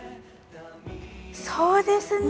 そうですね。